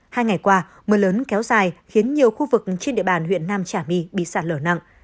hai ngày qua mưa lớn kéo dài khiến nhiều khu vực trên địa bàn huyện nam trà my bị sạt lở nặng